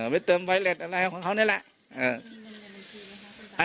ไปเติมไวเล็ตอะไรของเขานี่แหละ